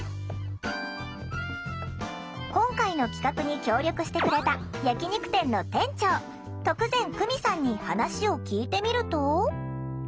今回の企画に協力してくれた焼き肉店の店長徳善久美さんに話を聞いてみると。